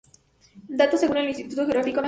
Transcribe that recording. Datos según el Instituto Geográfico Nacional.